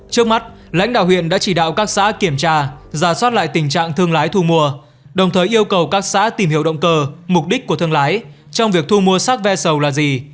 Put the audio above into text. trước mắt lãnh đạo huyện đã chỉ đạo các xã kiểm tra giả soát lại tình trạng thương lái thu mua đồng thời yêu cầu các xã tìm hiểu động cơ mục đích của thương lái trong việc thu mua sát ve sầu là gì